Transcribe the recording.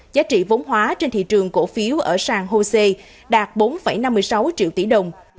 giá trị vốn hóa trên thị trường cổ phiếu ở sàn hose đạt bốn năm mươi sáu triệu tỷ đồng